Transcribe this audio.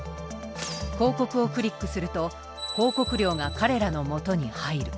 広告をクリックすると広告料が彼らのもとに入る。